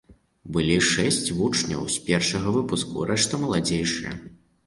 Былі шэсць вучняў з першага выпуску, рэшта маладзейшыя.